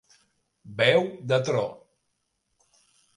Veu de tro.